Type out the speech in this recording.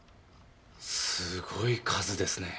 すごい数ですね。